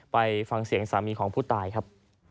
ไปฟังเสียงสามีของผู้ตายครับ